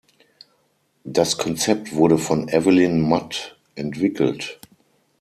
Das Konzept wurde von Evelyn Matt entwickelt.